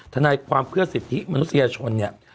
ทนายความเพื่อสิทธิมนุษยชนเนี่ย